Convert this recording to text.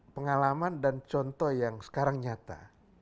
pengalaman dan contoh yang sekarang nyata